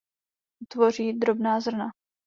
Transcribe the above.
Tvoří drobná zrna.